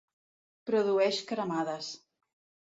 Produeix cremades.